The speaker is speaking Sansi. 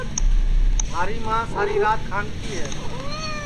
مھاری ماں ساری رات کھانٚگتی ہے